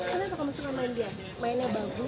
kenapa kamu suka main dia